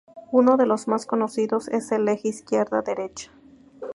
Uno de los más conocidos es el eje izquierda-derecha.